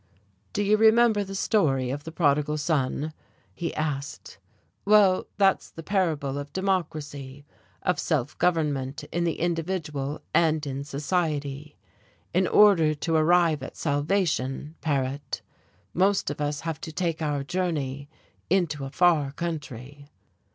"Do you remember the story of the Prodigal Son?" he asked. "Well, that's the parable of democracy, of self government in the individual and in society. In order to arrive at salvation, Paret, most of us have to take our journey into a far country."